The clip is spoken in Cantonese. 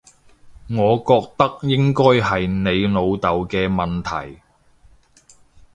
我覺得應該係你老豆嘅問題